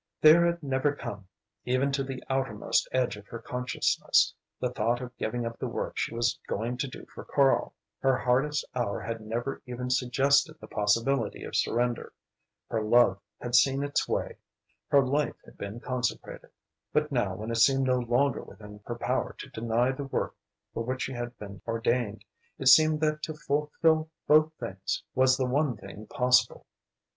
There had never come, even to the outermost edge of her consciousness, the thought of giving up the work she was going to do for Karl. Her hardest hour had never even suggested the possibility of surrender. Her love had seen its way; her life had been consecrated. But now, when it seemed no longer within her power to deny the work for which she had been ordained, it seemed that to fulfill both things was the one thing possible.